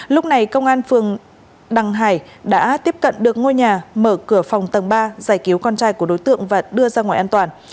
lúc này công an phường đằng hải đã tiếp cận được ngôi nhà mở cửa phòng tầng ba giải cứu con trai của đối tượng và đưa ra ngoài an toàn